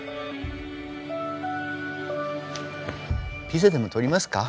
ピザでも取りますか。